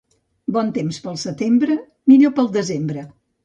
Bon temps pel setembre, millor pel desembre.